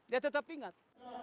dia tetap ingat